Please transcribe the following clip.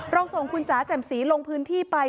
ส่งคุณจ๋าแจ่มสีลงพื้นที่ไป